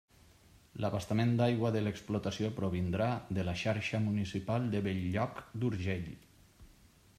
L'abastament d'aigua de l'explotació provindrà de la xarxa municipal de Bell-lloc d'Urgell.